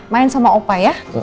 main sama opa ya